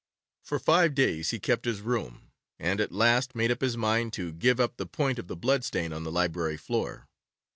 For five days he kept his room, and at last made up his mind to give up the point of the blood stain on the library floor.